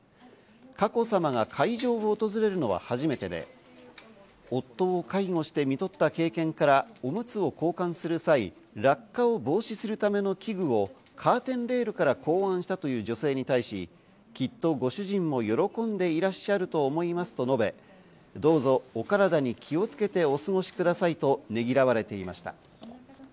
佳子さまが会場を訪れるのは初めてで、夫を介護してみとった経験から、おむつを交換する際、落下を防止するための器具をカーテンレールから考案したという女性に対し、きっとご主人も喜んでいらっしゃると思いますと述べ、どうぞお体に気をつけてお過ごしくださいと、ねぎらわれていました。